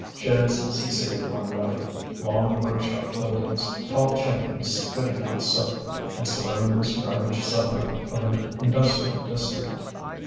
Sheds succeeded one another, long workshop buildings, tall chimneys spitting out soot, and soiling this ravaged suburb of an industrial district.